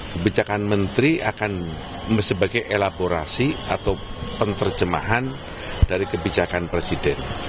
kebijakan menteri akan sebagai elaborasi atau penerjemahan dari kebijakan presiden